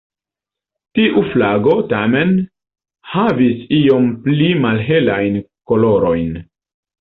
Tiu flago tamen havis iom pli malhelajn kolorojn.